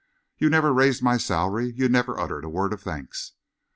You've never raised my salary, you've never uttered a word of thanks.